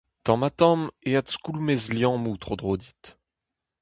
Tamm-ha-tamm e adskoulmez liammoù tro-dro dit.